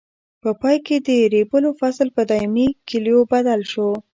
په پای کې د ریبلو فصل په دایمي کلیو بدل شو.